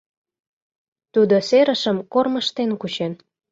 Тудо серышым кормыжтен кучен.